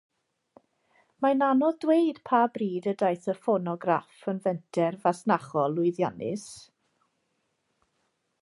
Mae'n anodd dweud pa bryd y daeth y ffonograff yn fenter fasnachol lwyddiannus.